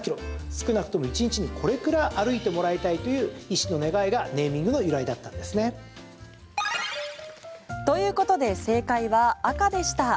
少なくとも１日にこれくらい歩いてもらいたいという医師の願いが、ネーミングの由来だったんですね。ということで正解は赤でした。